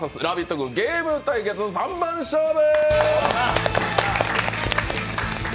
軍ゲーム対決三番勝負。